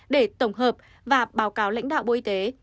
để tổng hợp và báo cáo lãnh đạo bộ y tế